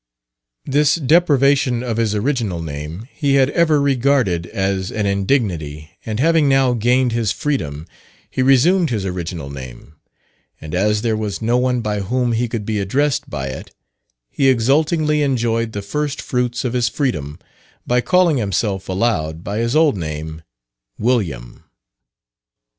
This deprivation of his original name he had ever regarded as an indignity, and having now gained his freedom he resumed his original name; and as there was no one by whom he could be addressed by it, he exultingly enjoyed the first fruits of his freedom by calling himself aloud by his old name "William!"